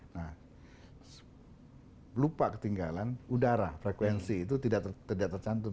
nah lupa ketinggalan udara frekuensi itu tidak tercantum